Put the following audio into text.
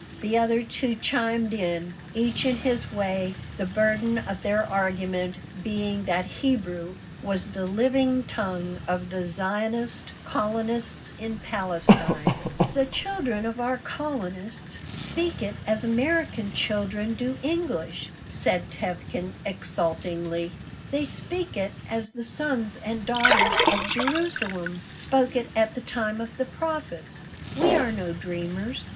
The other two chimed in, each in his way, the burden of their argument being that Hebrew was the living tongue of the Zionist colonists in Palestine "The children of our colonists speak it as American children do English," said Tevkin, exultingly. "They speak it as the sons and daughters of Jerusalem spoke it at the time of the prophets. We are no dreamers.